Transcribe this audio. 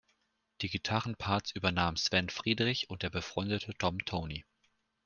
Die Gitarren-Parts übernahm Sven Friedrich und der befreundete Tom Tony.